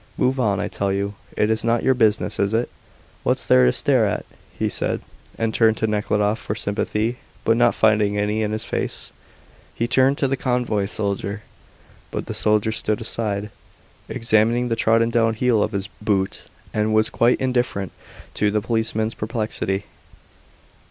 "Move on, I tell you. It is not your business, is it? What's there to stare at?" he said, and turned to Nekhludoff for sympathy, but not finding any in his face he turned to the convoy soldier. But the soldier stood aside, examining the trodden down heel of his boot, and was quite indifferent to the policeman's perplexity.